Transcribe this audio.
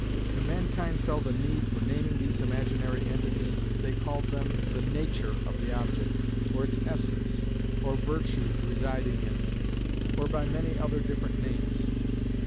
When mankind felt a need for naming these imaginary entities, they called them the nature of the object, or its essence, or virtues residing in it, or by many other different names.